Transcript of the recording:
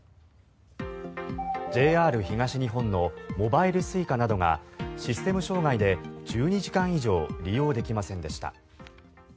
ＪＲ東日本のモバイルＳｕｉｃａなどがシステム障害で１２時間以上利用できませんでした。